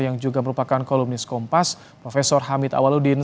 yang juga merupakan kolumis kompas prof hamid awaludin